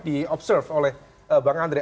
di observe oleh bang andre